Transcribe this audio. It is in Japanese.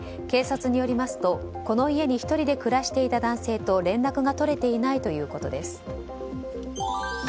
警察によりますとこの家に１人で暮らしていた男性と連絡が取れていないということです。